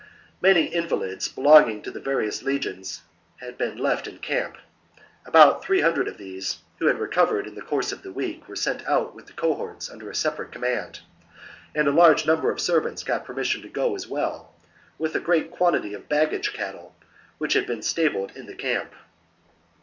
Many invalids belonging to the various legions had been left in camp. About three hundred of these, who had recovered in the course of the week, were sent out with the cohorts under a separate command ; and a large number of servants got permission to go as well, with a great quantity of baggage cattle which had been stabled in the camp.